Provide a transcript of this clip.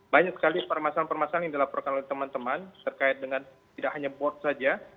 banyak sekali permasalahan permasalahan yang dilaporkan oleh teman teman terkait dengan tidak hanya bot saja